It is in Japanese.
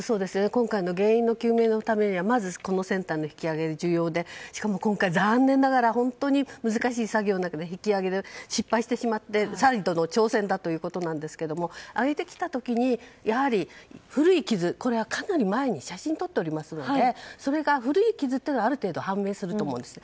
今回の原因究明のためにまず、船体の引き揚げが重要でしかも今回、残念ながら本当に難しい作業の中で引き揚げに失敗してしまって再度の挑戦だということですが揚げてきた時に古い傷、これはかなり前に写真を撮っておりますので古い傷というのはある程度、判明すると思うんです。